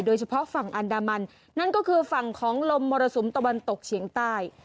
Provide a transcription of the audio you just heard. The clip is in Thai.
โดยเฉพาะฝั่งอันดามันนั่นก็คือฝั่งของลมมรสุมตะวันตกเฉียงใต้